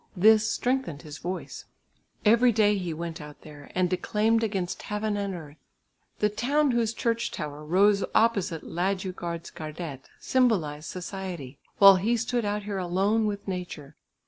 This strengthened his voice. Every day he went out there, and declaimed against heaven and earth. The town whose church tower rose opposite Ladugårdsgärdet symbolised society, while he stood out here alone with Nature.